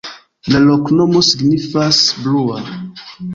La loknomo signifas: blua.